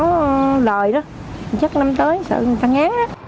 nó đòi đó chắc năm tới sợ người ta ngán đó